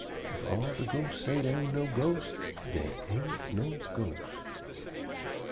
Ef all de ghostes say dey ain' no ghosts, dey ain' no ghosts."